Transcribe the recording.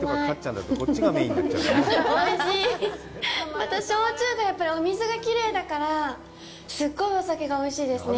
また焼酎がやっぱりお水がきれいだからすっごいお酒がおいしいですね。